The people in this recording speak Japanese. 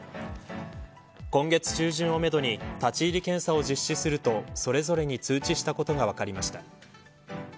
今月中旬をめどに立ち入り検査を実施するとそれぞれに通知したことが分かりました。